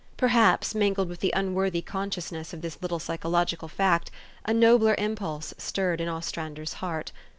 Perhaps, mingled with the unworthy consciousness of this little psychological fact, a nobler impulse stirred in Ostrander's heart.